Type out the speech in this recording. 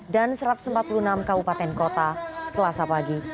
dan satu ratus empat puluh enam kabupaten kota selasa pagi